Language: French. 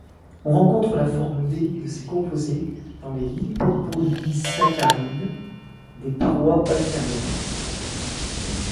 On rencontre la forme D de ces composés dans les lipopolysaccharides des parois bactériennes.